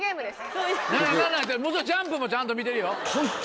ナナナナジャンプもちゃんと見てるよ。